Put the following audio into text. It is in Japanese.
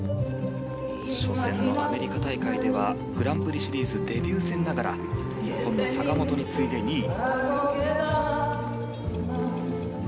初戦のアメリカ大会ではグランプリシリーズデビュー戦ながら日本の坂本に次いで２位。